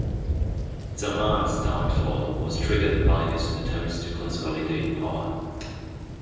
Zaman's downfall was triggered by his attempts to consolidate power.